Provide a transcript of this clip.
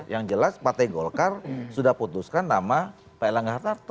yang jelas partai golkar sudah putuskan nama pak elangga hartarto